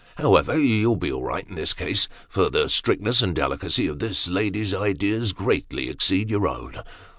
However, you'll be all right in this case ; for the strictness and delicacy of this lady's ideas greatly exceed your own.